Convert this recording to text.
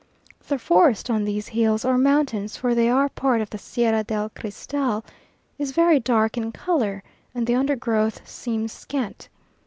The forest on these hills, or mountains for they are part of the Sierra del Cristal is very dark in colour, and the undergrowth seems scant.